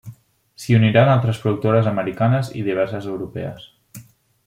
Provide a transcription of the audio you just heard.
S'hi uniran altres productores americanes i diverses europees.